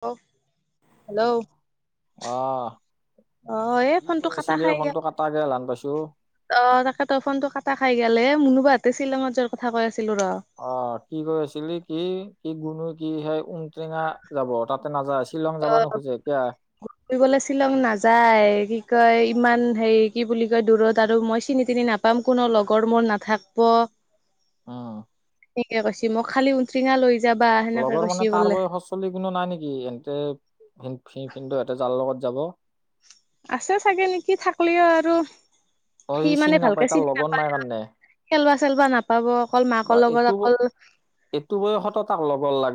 Hello hello অহ এই কি ফোনটো কৈ কাটা আছিলে খাই গেল ফোনটো কটাগেল হান পাইছো। অ' তাকেটো ফোন টো কাটা খাই গেল মুনো বাহতে শ্বিলঙত যোৱাৰ কথা কৈ আছিল। অ' কি কৈ আছিলি কি-কি গুণ কি সেই ওটেঙা যাব তাতে নাযা আছিল। অ', ঘৰিবলৈ শ্বিলং নাযায় কি কয় ইমান হেৰি কি বুলি কয় দূৰত আৰু মই চিনি জানি নাপাম কোনো লগৰ মোৰ নাথাক ব। [inaudible] উম, সিকে কৈছে মই খালি ঔটিঙা লৈ যাবা সেনেকে লগৰ কৈছি মানে তাৰ বোলে বয়সৰ চলি কোনো নাই নেকি এ। তে ভি ভিনদেউ হাতে জাল লগত যাব। আছে চাগে নেকি থাকলিও আৰু অ সি মানে ভালকে নাপায় তাৰ চিনি লগৰ নাপায় নাই আৰু কাৰণে খেলুৱা, বা এইটো এইটো বয়সত তাক ল'গৰ লাগে।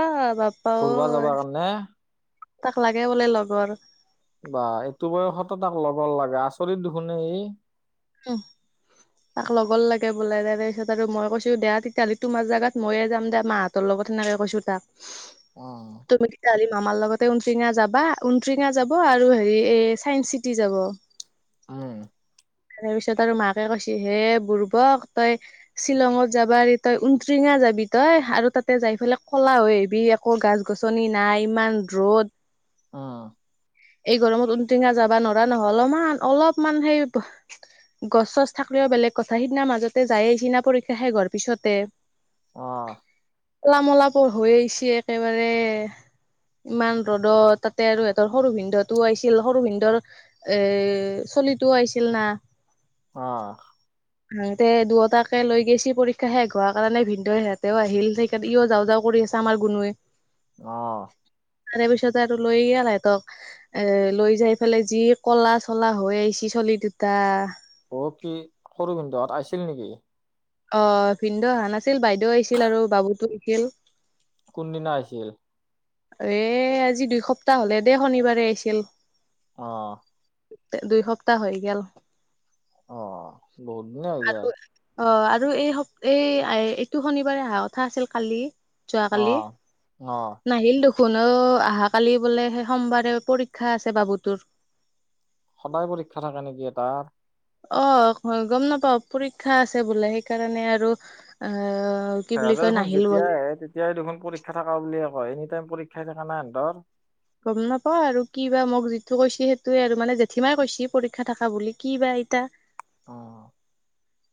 আহ বাপ্পা ঘূৰবা ঐ যাবা কাৰণে তাক লাগে বোলে লগৰ, বা এইটো বয়সতো তাক ল'ব লাগে আচৰিত দুখোনহে ই [unintelligible] তাক লগৰ লাগে বোলে তাৰপিছত আৰু মই কৈছোঁ, দিয়া তেতিয়াহ'লে তোমাৰ জাগাত মইয়ে যাম দিয়া মাহঁতৰ ল [unintelligible] উম মামাৰ লগতে [unintelligible] যাব আৰু হেৰি এই চাইন্স চিটি যাব। হয়। তাৰ পিছত আৰু মাকে কৈছে, হে বুৰ্বক তই শ্বিলঙত যাবা এৰি তই উনট্ৰিঙা যাবি তই? আৰু তাতে যাই ফালে কলা হৈ আহিবি একৌ গাছ-গছনি নাই, ইমান ৰ'দ। অ'। এই গৰমত উনট্ৰিঙাত যাবা নৰা নহ' অলপমান অলপমান সেই গছ-চছ থাকিলেও বেলেগ কথা। সিদিনা মাজতে যায়ে আহিচিনা পৰীক্ষা শেষ হোৱাৰ পিছতে। অ'। কলা-মলা পৰ-হৈ আহিছে একেবাৰে। ইমান ৰ'দত। তাতে আৰু সেহেতৰ সৰু ভিনদউটো আহছিল, সৰু ভিনদউৰ এ চলিটোও আহিছিল না। অ'। হেতে দুয়টাকে লৈ গৈছি পৰীক্ষা শেষ হোৱাৰ কাৰণে। ভিনদেউ সিহঁতেও আহিল সেইকাৰণে ইয় যাওঁ যাওঁ কৰি কৰি আছে আমাৰ গুনোৱে। অ'। তাৰেপিছতে আৰু লৈ গেল সেহেতক। এ লৈ যাই পেলাই যি কলা-চলা হৈ আহিছেি চলিটো তা অ', কি সৰু ভিনদউহত আহিছিল নেকি? অ', ভিনদউ অহা নাছিল, বাইদেউ আহিছিল আৰু বাবুতো আহছিল। কোনদিনা আহিছিল? এ আজি দুই সপ্তাহ হ'লে দেই, শনিবাৰে আহিছিল। অ'। দুই সপ্তাহ হৈ গেল। অ বহুত দিনে হৈ গেল। অ', আৰু এই সপ-এই-এই এইটো শনিবাৰে অহা কথা আছিল কালি অ যোৱাকালি, অ নাহিল দেখ শুনো অহা কালি বোলে সেই সোমবাৰে পৰীক্ষা আছে বাবু তোৰ। সদায় পৰীক্ষা থাকে নেকি এ তাৰ? অ' গম নাপাও পৰীক্ষা আছে বোলে সেইকাৰণে আৰু অ'। তাহাতৰ দেখোন যেতিয়াই আহে তেতিয়াই দেখোন পৰীক্ষা থকা বুলিয়ে অ' এনি টাইম পৰীক্ষাই থাকে নে সিহতৰ? গম নাপাও আৰু কি বা, মোক যিটো কৈছে সেইটোয়ে আৰু মানে জেঠীমাই কৈছেি পৰীক্ষা থকা বুলি কি বা। [unintelligible]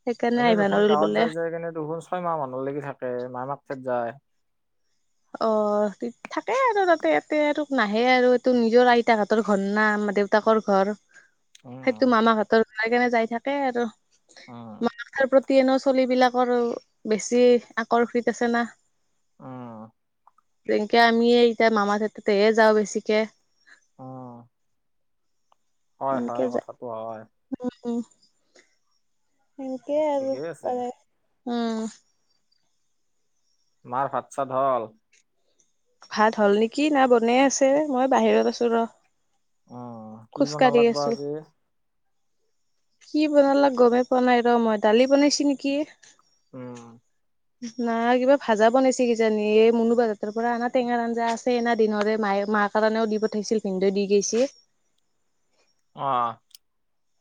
সেইকাৰণে এনেই আহিবা দেখোন নোৱাৰিল গাঁৱত বোলে যাই যায় কিনে দুখন ছয় মাহ মানুহ লাগি থাকে মা মাক তাত যায়। অ' থাকে আৰু তাতে এতে আৰু ত নাহে আৰু এইটো নিজৰ আইতা হতৰ ঘৰ না। আমাৰ দেউতাকৰ ঘৰ সেইটো উম মামা হতৰ ঘনে যাই থাকে আৰু। অ'। [unintelligible] চলিবিলাকৰ বেছি আকৰ্ষিত আছে না। অ'। যেনেকৈ আমি এতিয়া মামা থেৰ তাতেই হে যাওঁ বেছিকে। আহ। হয় সেনকে হয়, য কথাটো হয়। সেনেকে আৰু ঠিকেই আছে কৰে উ। মাৰ ভাত চাত হল? ভাত হ'ল নেকি, না বনাই আছে, মই বাহিৰত আছো ৰ্। অ' কি বনালাক আজি? কি বনালা গমেই পোৱানাই ৰ মই' দালি বনাইছি নেকি! উম' নাই কিবা ভাজা বনাইছে কিজানি এই মনু বাজাতৰ পৰা আনাত টেঙাৰ আঞ্জা আছে এনা দিনৰে মায়ে মা কাৰণেও দি পঠাইছিল পিন্দ দি গৈছিল। আহ।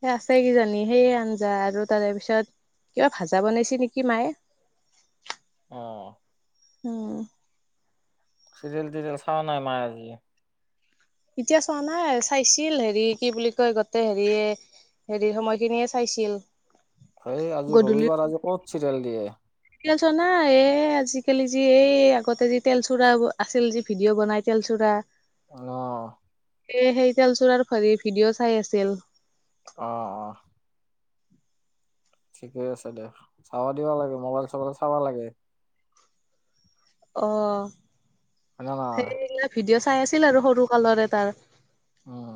সেই আছে কি জানি সেয়ে আঞ্জা আৰু তাৰে পিছত কিবা ভাজা বনাইছে নেকি মায়ে। [inaudible] অ অ' চিৰিয়েল তিৰিয়েল চাৱ নাই মায় আজি? এতিয়া চোৱা নাই চাইছিল হেৰি কি বুলি কয় গোটেই হেৰিয়ে হেৰি সময়খিনিয়ে চাইছিল। হেই আজি ৰবিবাৰ, আজি ক'ত চিৰিয়েল দিয়ে! তেল চোৰা নাই, এই আজিকালি যি এই আগতে যে তেলচো়ৰা আছিল যি ভিডিঅ' বনাই তেলচো়ৰা অ' এ সেই তেল চোৰাৰ ভৰি ভিডিঅ' চাই আছিল। অ, অ। ঠিকে আছে দে, চাব দিব লাগে মোবাইল চবাইল চাব লাগে। অ' হয় নে নহয় সেইবিলাক ভিডিঅ চাই আছিল আৰু সৰু কালৰে তাৰ। উম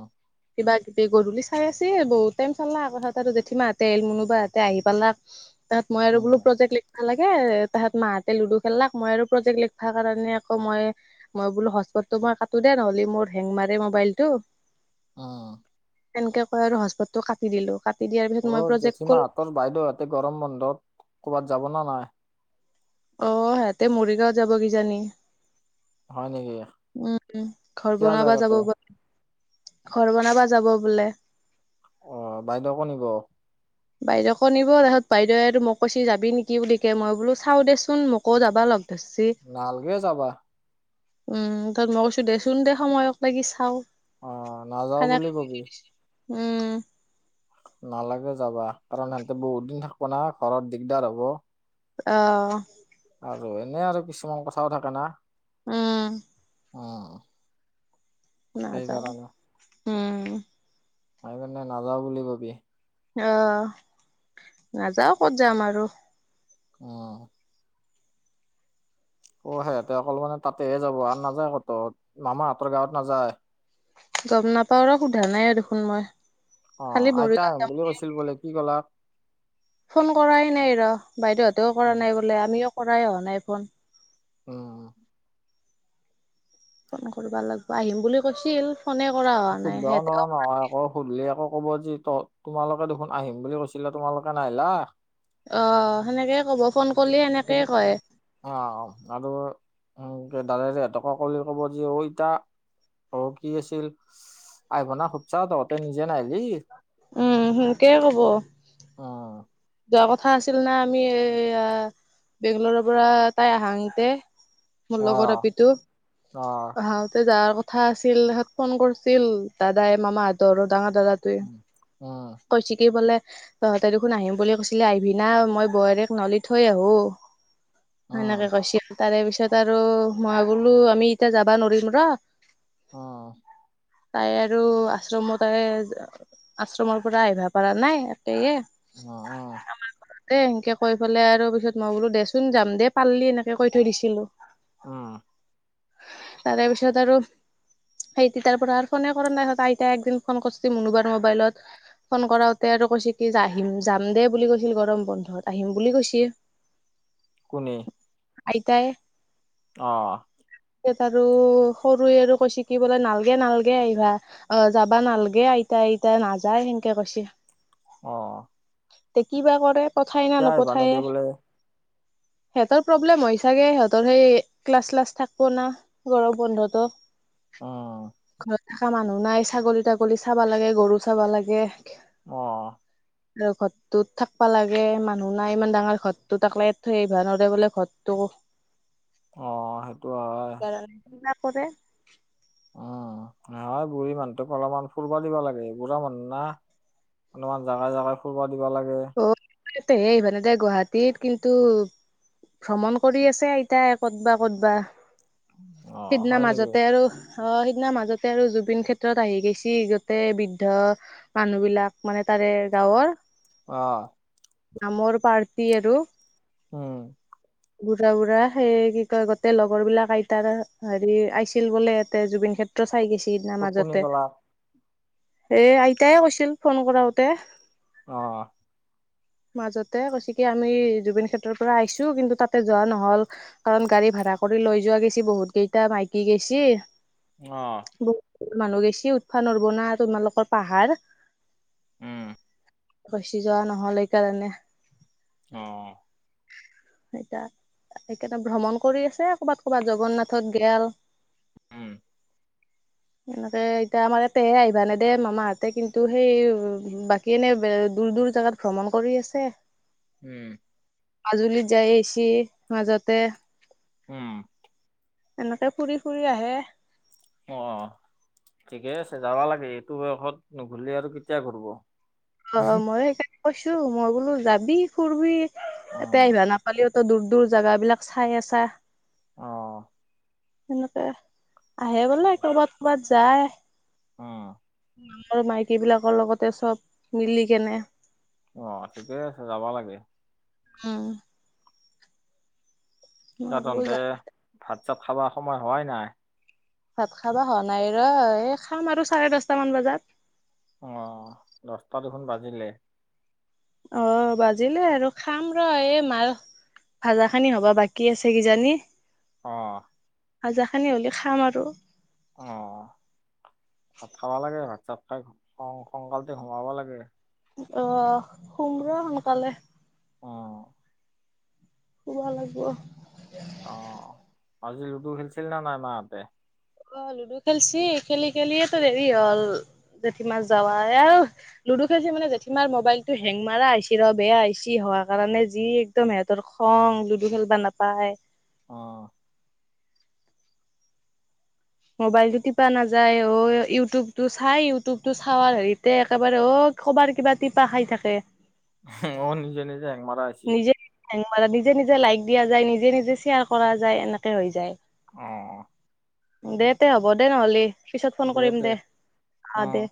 কিবা কিবি গধূলি চাই আছে বহুত, টাইম চালা আকৌ, সেহেঁতৰ জেঠীমাহঁতে, মুনুবা হঁতে আহি পালাক। তাছত মই আৰু উম বোলো প্ৰজেক্ট লিখ বা লাগে, তাহাঁত মাহঁতে লুডু খেললাক, মই আৰু প্ৰজেক্ট লিখবা কাৰণে আকৌ মই মই বোলো হটচপতটো মই কাটো দে নহ'লে মোৰ হেং মাৰে মোবাইল টো উম তেনকে কৈ আৰু হটচপতটো কাটি দিলো, কাট অ', জেঠীমাহঁতৰ বাইদেউহঁতে গৰম বন্ধত ক'বাত যাব নে নাই? অ', সেহঁতে মৰিগাঁও যাব কিজানি! হয় নেকি উম, ঘৰ কিয় যায় বনাবা তাতে যাব পাৰ ঘৰ বনাবা যাব বোলে। অ, বাইদেউকো নিব? বাইদেউকো নিব, তাৰছত বাইদেউৱেতো মোক কৈছে যাবি নেকি বুলি কে, মই বোলো চাওঁ দেচোন মোকো যাবা লাগ নালগে যাবা। উম, তাত মই কৈছো দেচোন দে সময়ক লাগি চাওঁ। অ', নাযাওঁ বুলি ক'বি। উম। নালাগে যাবা কাৰণ সিহঁতে বহুত দিন থাকিব না ঘৰত দিগদাৰ হ'ব। অ'। আৰু এনে আৰু কিছুমান কথাও থাকে না। উম। অ'। নাজানো। সেইকাৰণে নাযাওঁ বুলি ক'বি। অহ, নাযাওঁ ক'ত যাম আৰু। অহ। অ', সিহঁতে অকল মানে তাতেহে যাব আৰু নাযায় ক'তো মামাহাঁতৰ গাঁৱত নাযায়? গম নাপাওঁ আৰু সোধা নাই আৰু দেখোন মই। খালি অ', আইতা মৰিগাঁও আহিম যাম বুলি কৈছিল বোলে, কি ক'লাক? ফোন কৰাই নাই ৰ' বাইদ'হঁতেও উম কৰা নাই বোলে, আমিও কৰাই অহা নাই ফোন। অম ফোন কৰিবা লাগিব আহিম বুলি কৈছিল ফোনে কৰা হোৱা নাই সুধবও সিহঁতেও নোৱাৰা নহয় আকৌ সুধিলে আকৌ কব যি ত তোমালোকে দেখোন আহিম বুলি কৈছিলা তোমালোকে নাহলা অ সেনেকে কব ফোন কৰিলে অ সেনেকেই কয় অ আ ক দালেৰে এহতকে কলে কব যে তা অ কি আছিল আইিবনা খুবচা তহঁতে নিজে নাই দি উম কে কব অ যোৱা কথা আছিল না আমি এইয়া বেংলৰৰ পৰা তাই আহাং ইতে মোৰ অ লগৰ ৰািো অ আহহাওতে যাৰ কথা কথা আছিল তহত ফোন কৰিছিল দাদাই মামা আতৰত ডাঙৰ দাদা তে উম উম কৈছ কিি বোলে তহঁতে দেখোন আহিম বুলি কৈছিলে আহিবি না মই বোৱাৰৰেক নলি থৈ আহো উম সেনেকে কৈছিল তাৰে পিছত তাৰপিছত আৰু মই বোলো আমি এতিয়া যাবা নোৱাৰিম ৰ অ তাই আৰু আশ্ৰমো তাই আশ্ৰমৰ পৰা আহিবা পৰা নাই একেয়ে [inaudible] দে সেনকে কৈ পেলাই আৰু পিছত মই বোলো দেচোন যাম দে পাল্লি এনেকে কৈ থৈ দিছিলো অ তাৰপিছত আৰু সেইটো তাৰ পৰা আৰু ফোনে কৰা নাই আইতাই একদিন ফোন কৰছি মুনুবাৰ মোবাইলত ফোন কৰাওতে কৈছে কি আহিম যাম দেই বুলি কৈছিল গৰম বন্ধত আহিম বুলি কৈছে কোনে আইতাই অ তাত আৰু সৰুৱে আৰু কৈছে কি বোলে নালগে নালগে আহিবা অ যাবা নালগে আইতা এতিয়া নাযায় সেনকে কৈছে অ এ কিবা কৰে পঠায় না কিয় বানে নপঠায়ে দেবোলে সিহঁতৰ প্ৰব্লেম হৈ চাগে সিহঁতৰ সেই ক্লাছ চিলাছ থাকব না গৰম বন্ধতো উম ঘৰত থকা মানুহ নাই ছাগলী তাগলী চাব লাগে গৰু চাব লাগে অ [inaudible] তত থাকবা লাগে মানুহ নাই ইমান ডাঙৰ ঘৰটোত একলাই থৈ আহিব নোৱাৰে বোলে ঘৰটো অ সেইটো হয় পৰে উম ন বুঢ়ী মানুহটোক অলপমান ফুৰিব দিব লাগে বুঢ়া মানুহ না অলপমান জেগাই জেগাই ফুৰিব দিব লাগে ইয়াতে হে আহিব নিদিয়ে গুৱাহাটীত কিন্তু ভ্ৰমণ কৰি আছে আইতাই ক'তবা ক'তবা অ সিদিনা হয় নেকি মাজতে আৰু অ সি- -দিনা মাজতে আৰু জুবিন ক্ষেত্ৰত আহি গৈছে গোটেই বৃদ্ধ মানুহ বিলাক মানে তাৰে গাঁৱৰ অ নামৰ পাৰ্টি আৰু উম বুঢ়া বুঢ়া সেই কি কয় গোটেই লগৰ বিলাক আইতাৰ হেৰি আইছিল বোলে ইয়াতে জুবিন ক্ষেত্ৰ চাই গেছি সিদিনা কক কোনি মাজতে কলা এ আইতাই কৈছিল ফোন কৰাওতে অ [inaudible] মাজতে কৈছে কি আমি জুবিন ক্ষেত্ৰৰ পৰা আহিছো কিন্তু তাতে যোৱা নহল কাৰণ গাড়ী ভাড়া কৰ কৰি লৈ যোৱা গৈছি বহুত কেইটা মাইকী গেইছি অ'। মানুহ বেছি উঠিবা নোৱাৰিব না তোমালোকৰ পাহাৰ। উম। ফচি যোৱা নহ'লে কাৰণে অ'। এতিয়া সেইকাৰণে ভ্ৰমণ কৰি আছে কৰ'বাত, ক'ৰবাত জগন্নাথত গেল। উম। এনেকে এতিয়া আমাৰ ইয়াতেহে আহিব নেদে মামাহঁতে কিন্তু সেই বাকী এনে বে দূৰ, দূৰ জেগাত ভ্ৰমণ কৰি আছে। উম। মাজুলীত যায় আহিছি মাজতে। উম। এনেকে ফুৰি, ফুৰি আহে। অ', ঠিকেই আছে যাবা লাগে এইটো বয়সত নুঘূৰি আৰু কেতিয়া ঘূৰিব? অ', মই [unintelligible] কৈছোঁ মই বোলো যাবি, ফুুৰবি অ এতে আহিবা নাপালিয়োটো দূৰ, দূৰ জাগাবিলাক চাই [unintelligible] অ'। সেনেকে আহে বোলে ক'ৰবাত, কৰ'বাত যায়। অ' মাইকী বিলাকৰ লগতে চব মিলি কেনে। অ', ঠিকেই আছে যাব লাগে। উম। [unintelligible] মই বোলো যা ভাত, চাত খাব সময় হোৱাই নাই? ভাত খাবা হোৱা নাই ৰ, এই খাম আৰু চাৰে দচটামান বজাত। অ', দচটা দেখোন বাজিলে। অ', বাজিলে আৰু খাম ৰ' এই মায়ো ভাজা খানি হ'বা বাকী আছে কিজানি। অ'। ভাজাখানি হ'লি খাম আৰু। অ', ভাত খাব লাগে। ভাত [unintelligible] সঙকালটি ঘোমাব লাগে। অ', শুম ৰ'সোনকালে। অ'। শুবা লাগিব। অ', আজি লুডু খেলিছিল নে নাই মাহতে? অ', লুডু খেলছি। খেলি-খেলিয়েতো দেৰি হ'ল জেঠীমাৰ যাৱাই আও, লুডু খেলিছে মানে জেঠীমাৰ মোবাইলটো হেং মাৰা হেছি ৰ', বেয়া হেছি হ হোৱা কাৰণে যি একদম এহেতৰ খং, লুডু খেলব নাপায়। অ'। মোবাইলটো টিপা নাযায। অ', ইউটিউবটো চাই, ইউটিউবটো চাব হেৰিতে একেবাৰে অ' কবাৰ কিবা টিপা খাই থাকে। অ', নিজে নিজে হেং মাৰা হেছি। নিজে হেং মাৰলি নিজে নিজে লাইক দিয়া যায়, নিজে নিজে শ্বেয়াৰ কৰা যায়, এনেকে হৈ যায়। অ', অ'। দে তে হ'ব দে নহলি, পিছত ফোন কৰিম দে। অ', দে।